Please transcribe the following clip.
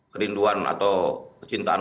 kerinduan atau kesintaan